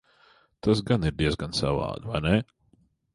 Tas gan ir diezgan savādi, vai ne?